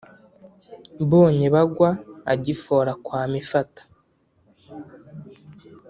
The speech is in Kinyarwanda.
Mbonye bagwa agifora kwa Mifata